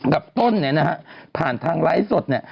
กับต้นเนี่ยนะฮะผ่านทางไลฟ์สดเนี่ย